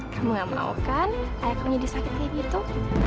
kamu yang mau kan ayah kamu jadi sakit kayak gitu